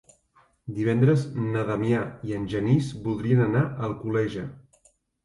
Divendres na Damià i en Genís voldrien anar a Alcoleja.